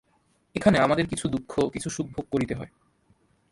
এখানে আমাদের কিছু দুঃখ, কিছু সুখ ভোগ করিতে হয়।